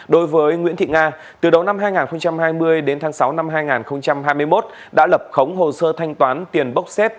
đối với nguyễn thị nga từ đầu năm hai nghìn hai mươi đến tháng sáu năm hai nghìn hai mươi một đã lập khống hồ sơ thanh toán tiền bốc xếp